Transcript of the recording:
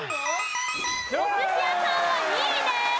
お寿司屋さんは２位です。